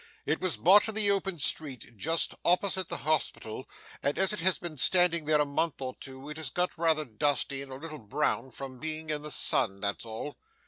'It was bought in the open street just opposite the hospital, and as it has been standing there a month of two, it has got rather dusty and a little brown from being in the sun, that's all.